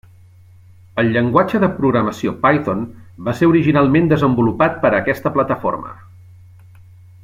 El llenguatge de programació Python va ser originalment desenvolupat per a aquesta plataforma.